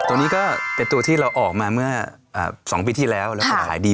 อันนี้เรากินแบบว่าไม่ต้องจิ้มแบบสด